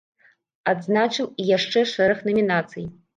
Адзначым і яшчэ шэраг намінацый.